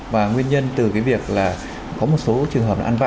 và nguyên nhân từ cái việc là có một số trường hợp là ăn vạ